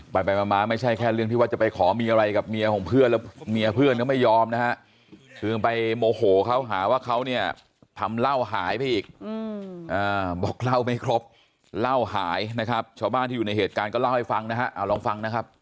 ไปไปมาไม่ใช่แค่เรื่องที่ว่าจะไปขอมีอะไรกับเมียของเพื่อนแล้วเมียเพื่อนก็ไม่ยอมนะฮะคือไปโมโหเขาหาว่าเขาเนี่ยทำเหล้าหายไปอีกบอกเล่าไม่ครบเหล้าหายนะครับชาวบ้านที่อยู่ในเหตุการณ์ก็เล่าให้ฟังนะฮะเอาลองฟังนะครับ